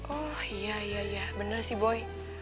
oh iya ya ya bener sih boy